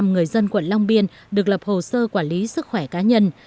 chín mươi năm người dân quận long biên được lập hồ sơ quản lý sức khỏe cá nhân